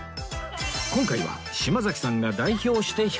今回は島崎さんが代表して引く事に